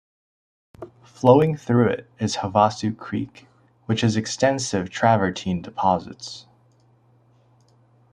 Flowing through it is Havasu Creek, which has extensive travertine deposits.